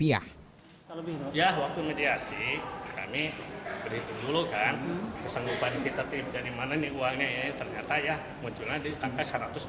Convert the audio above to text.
ya waktu mediasi kami berhitung dulu kan kesanggupan kita dari mana ini uangnya ya ternyata ya munculnya di angka rp satu ratus dua puluh satu lima ratus